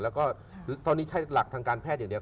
แล้วก็ตอนนี้ใช้หลักทางการแพทย์อย่างเดียว